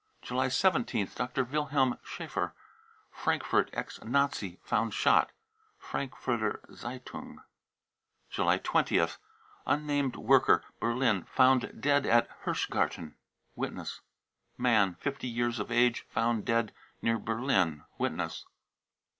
• 'm July 17th. dr. wilhelm schafer, Frankfurt, ex Nazi, found shot. : (Frankfurter Zeitung.) f July 20th. unnamed worker, Berlin, found dead at Hirschgarten. (Witness.) man, 50 years of age, found dead near Berlin.'/ (Witness.)